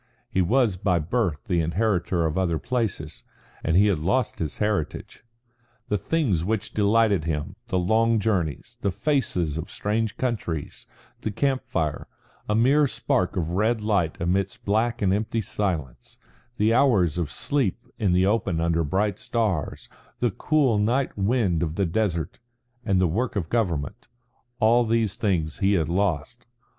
He was by birth the inheritor of the other places, and he had lost his heritage. The things which delighted him, the long journeys, the faces of strange countries, the camp fire, a mere spark of red light amidst black and empty silence, the hours of sleep in the open under bright stars, the cool night wind of the desert, and the work of government all these things he had lost.